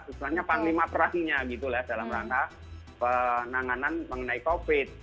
sebenarnya panglima perahinya gitu lah dalam rangka penanganan mengenai covid